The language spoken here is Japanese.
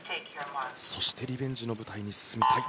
そしてリベンジの舞台に進みたい。